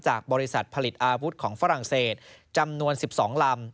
บริษัทผลิตอาวุธของฝรั่งเศสจำนวน๑๒ลำ